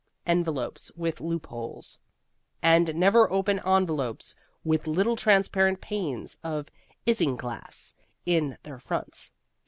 ENVELOPES WITH LOOP HOLES And never open envelopes with little transparent panes of isinglass in their fronts.